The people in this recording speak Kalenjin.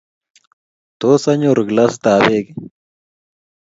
Tos, anyoru glasitab beek?